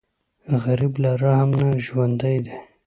غریب له رحم نه ژوندی دی